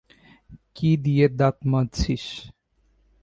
কী দিয়ে দাত মাজছিস?